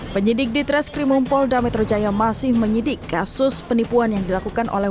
penyidik di treskrimumpol dametro jaya masih menyidik kasus penipuan yang dilakukan oleh